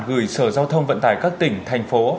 gửi sở giao thông vận tải các tỉnh thành phố